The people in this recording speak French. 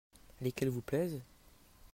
Lesquels vous plaisent ?